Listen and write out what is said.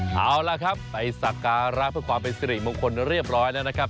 เอาล่ะครับไปสักการะเพื่อความเป็นสิริมงคลเรียบร้อยแล้วนะครับ